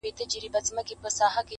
يوه ورځ يو هلک پوښتنه کوي،